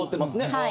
はい。